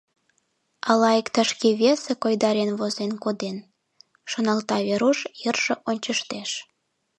Ала иктаж-кӧ весе койдарен возен коден?» — шоналта Веруш, йырже ончыштеш.